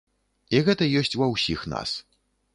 І гэта ёсць ва ўсіх нас.